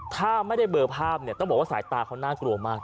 ถ้าไม่ได้เบอร์ภาพเนี่ยต้องบอกว่าสายตาเขาน่ากลัวมาก